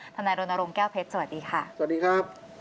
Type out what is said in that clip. นายรณรงค์แก้วเพชรสวัสดีค่ะสวัสดีครับ